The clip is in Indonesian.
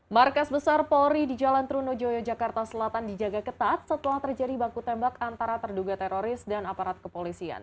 markas besar polri di jalan trunojoyo jakarta selatan dijaga ketat setelah terjadi baku tembak antara terduga teroris dan aparat kepolisian